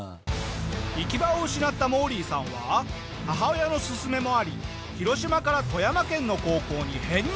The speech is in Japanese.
行き場を失ったモーリーさんは母親の勧めもあり広島から富山県の高校に編入。